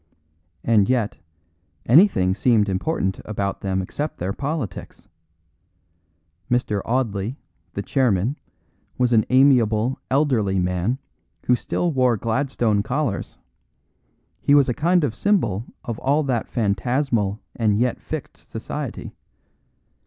And yet, anything seemed important about them except their politics. Mr. Audley, the chairman, was an amiable, elderly man who still wore Gladstone collars; he was a kind of symbol of all that phantasmal and yet fixed society.